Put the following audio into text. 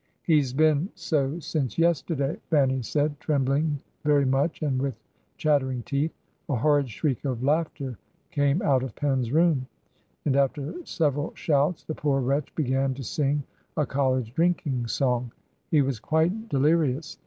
'He's been so since yesterday,' Fanny said, trembling very much and with chattering teeth. A horrid shriek of laughter came out of Pen's room, ... and after several shouts the poor wretch began to sing a college drinking song. ... He was quite dehrious.